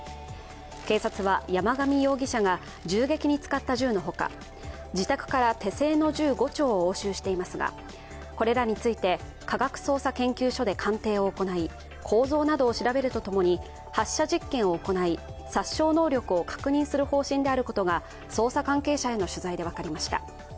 警察は山上容疑者が銃撃に使った銃のほか自宅から手製の銃５丁を押収していますが、これらについて、科学捜査研究所で鑑定を行い、構造などを調べるとともに発射実験を行い、殺傷能力を確認する方針であることが捜査関係者への取材で分かりました。